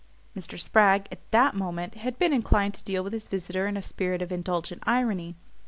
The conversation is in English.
Mr. Spragg, at the moment, had been inclined to deal with his visitor in a spirit of indulgent irony.